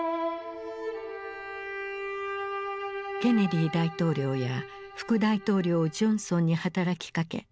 ケネディ大統領や副大統領ジョンソンに働きかけ